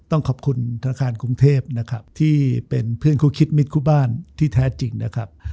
ต้องขอบคุณธนาคารกรุงเทพนะครับที่เป็นเพื่อนคู่คิดมิตรคู่บ้านที่แท้จริงนะครับ